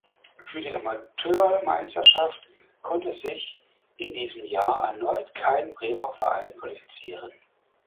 Für die Amateurmeisterschaft konnte sich in diesem Jahr erneut kein Bremer Verein qualifizieren.